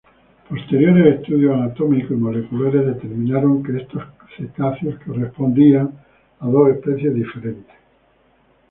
Posteriores estudios anatómicos y moleculares determinaron que estos cetáceos correspondían a dos especies diferentes.